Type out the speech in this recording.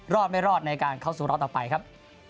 รอดไม่รอดในการเข้าสู่รอบต่อไปครับ